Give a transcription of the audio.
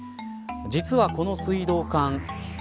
実は、この水道管